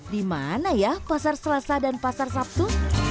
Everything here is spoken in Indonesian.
di mana ya pasar selasa dan pasar sabtu